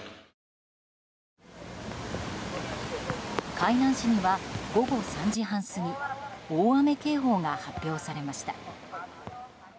海南市には午後３時半過ぎ大雨警報が発表されました。